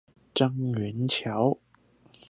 樟原橋